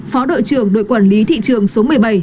phó đội trưởng đội quản lý thị trường số một mươi bảy